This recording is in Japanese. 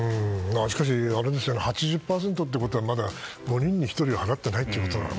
しかし８０％ってことはまだ５人に１人は払ってないということですかね。